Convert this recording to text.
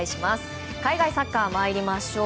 海外サッカーに参りましょう。